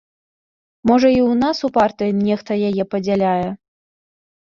Можа і ў нас у партыі нехта яе падзяляе.